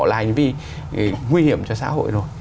là hành vi nguy hiểm cho xã hội rồi